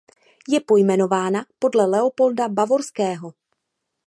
Je pojmenována podle Leopolda Bavorského.